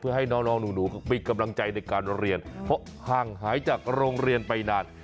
เพื่อให้น้องหนูมีกำลังใจในการเรียนเพราะห่างหายจากโรงเรียนไปนาน